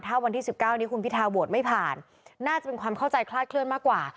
ถ้าวันที่๑๙นี้คุณพิทาโหวตไม่ผ่านน่าจะเป็นความเข้าใจคลาดเคลื่อนมากกว่า